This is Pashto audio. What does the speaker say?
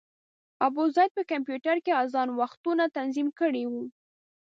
ابوزید په کمپیوټر کې اذان وختونه تنظیم کړي وو.